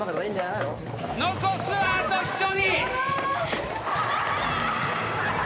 残すはあと１人！